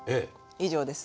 以上です。